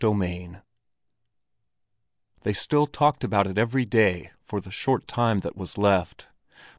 XXIV They still talked about it every day for the short time that was left.